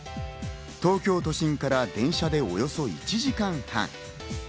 東京都心から電車でおよそ１時間半。